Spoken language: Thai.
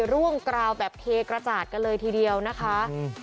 ร่วงกราวแบบเทกระจาดกันเลยทีเดียวนะคะ